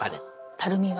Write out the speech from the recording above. たるみは？